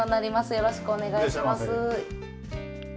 よろしくお願いします。